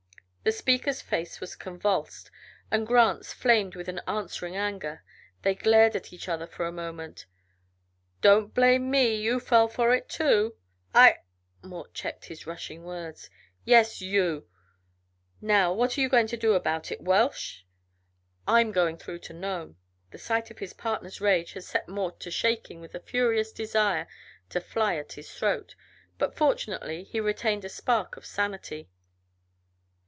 _" The speaker's face was convulsed, and Grant's flamed with an answering anger. They glared at each other for a moment. "Don't blame me. You fell for it, too." "I " Mort checked his rushing words. "Yes, you! Now, what are you going to do about it? Welsh?" "I'm going through to Nome." The sight of his partner's rage had set Mort to shaking with a furious desire to fly at his throat, but fortunately, he retained a spark of sanity.